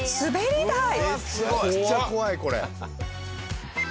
めちゃくちゃ怖いこれ。